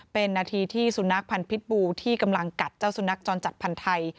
เป็นนาทีที่สุนัขพันธ์พิษบูที่กำลังกัดเจ้าสุนัขจรจัดพันธุ์ไทย